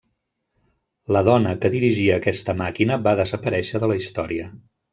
La dona que dirigia aquesta màquina va desaparèixer de la història.